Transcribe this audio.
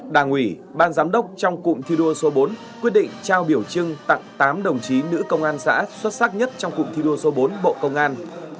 đảng ủy ban giám đốc trong cụm thi đua số bốn quyết định trao biểu trưng tặng tám đồng chí nữ công an xã xuất sắc nhất trong cụm thi đua số bốn bộ công an